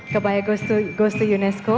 kebaya goes to unesco